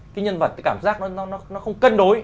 cái nhân vật cái cảm giác nó không cân đối